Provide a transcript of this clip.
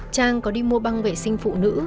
trở lại đi mua băng vệ sinh phụ nữ